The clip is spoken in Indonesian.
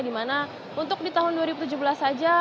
dimana untuk di tahun dua ribu tujuh belas saja